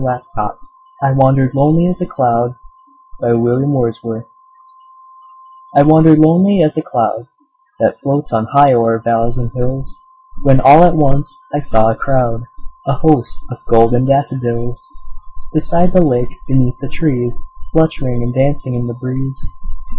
William Wordsworth I Wandered Lonely As a Cloud I WANDERED lonely as a cloud That floats on high o'er vales and hills, When all at once I saw a crowd, A host, of golden daffodils; Beside the lake, beneath the trees, Fluttering and dancing in the breeze.